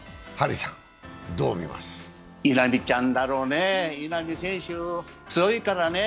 稲見ちゃんだろうね、稲見選手強いからね。